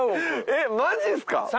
えっマジっすか？